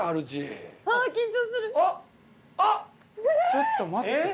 ちょっと待って。